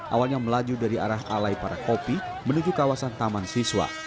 awalnya melaju dari arah alai para kopi menuju kawasan taman siswa